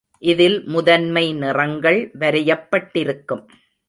இதில் முதன்மை நிறங்கள் வரையப்பட்டிருக்கும்.